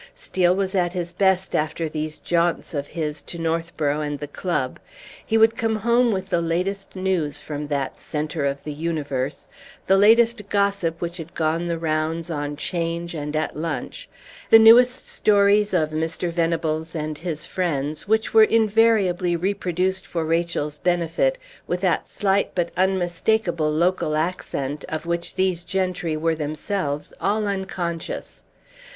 Steel was at his best after these jaunts of his to Northborough and the club. He would come home with the latest news from that centre of the universe, the latest gossip which had gone the rounds on 'Change and at lunch, the newest stories of Mr. Venables and his friends, which were invariably reproduced for Rachel's benefit with that slight but unmistakable local accent of which these gentry were themselves all unconscious.